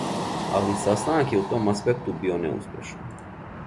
Али састанак је у том аспекту био неуспешан.